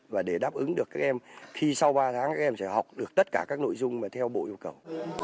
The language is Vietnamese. và để đáp ứng được các em khi sau ba tháng các em sẽ học được tất cả các nội dung mà theo bộ yêu cầu